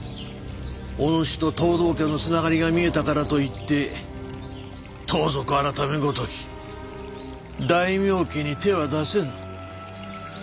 お主と藤堂家のつながりが見えたからといって盗賊改ごとき大名家に手は出せぬ。